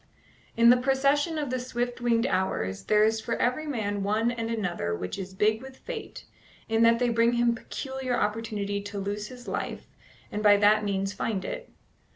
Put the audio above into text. In the procession of the swift winged hours there is for every man one and another which is big with fate, in that they bring him peculiar opportunity to lose his life, and by that means find it.